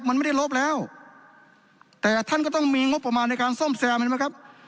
มันไม่ได้ลบแล้วแต่ท่านก็ต้องมีงบประมาณในการซ่อมแซมเห็นไหมครับ